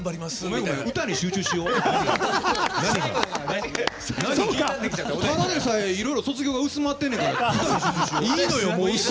ただでさえ、いろいろ卒業が薄まってるやねんから。